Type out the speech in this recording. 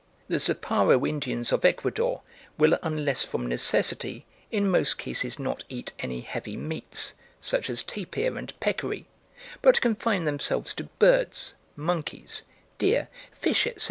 The Zaparo Indians of Ecuador "will, unless from necessity, in most cases not eat any heavy meats, such as tapir and peccary, but confine themselves to birds, monkeys, deer, fish, etc.